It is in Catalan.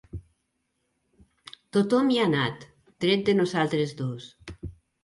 Tothom hi ha anat, tret de nosaltres dos.